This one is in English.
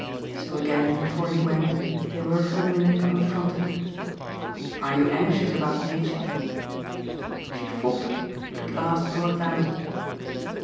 So again before he went they were for a minute confronted. "Are you anxious about Mitchy?" She faltered, but at last brought it out.